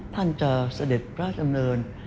ท่านจะเสด็จพระราชดำเนิน